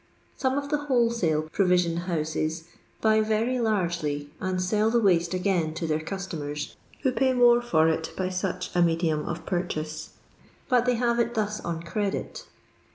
Some of the whole sale provision houses buy very largely and sell the waste again to their customers, who pay more for it by such a medium of purchase, but they have it thus on credit.